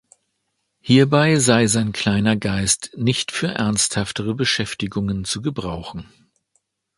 Hierbei sei sein kleiner Geist nicht für ernsthaftere Beschäftigungen zu gebrauchen.